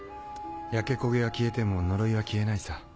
焼け焦げは消えても呪いは消えないさ。